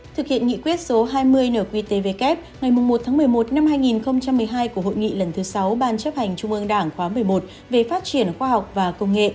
thực hiện nghị quyết số hai mươi nqtvk ngày một một mươi một năm hai nghìn một mươi hai của hội nghị lần thứ sáu ban chấp hành trung ương đảng khóa một mươi một về phát triển khoa học và công nghệ